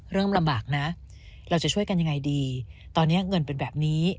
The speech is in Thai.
ลำบากนะเราจะช่วยกันยังไงดีตอนนี้เงินเป็นแบบนี้